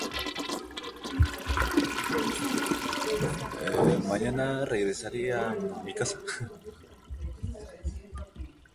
Con "Háblame", Chacón cerraba una trilogía sobre la incomunicación en la pareja.